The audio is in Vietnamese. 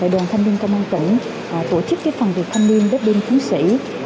đoàn thanh niên công an tỉnh tổ chức phần việc thanh niên với đơn phí sĩ